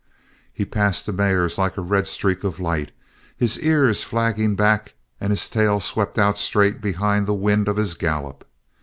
He passed the mares like a red streak of light, his ears flagging back and his tail swept out straight behind by the wind of his gallop.